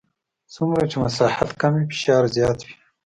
څومره چې مساحت کم وي فشار زیات وي.